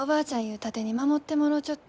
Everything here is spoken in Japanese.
盾に守ってもろうちょった。